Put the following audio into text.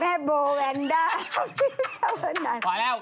แม่โบแวนดากกิ๊กชาวหนาน